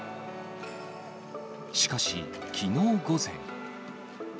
しかし、きのう午前。